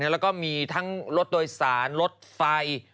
แล้วก็มีทั้งรถโดยสารรถไฟ